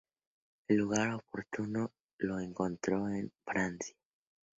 El lugar oportuno lo encontró en Francia.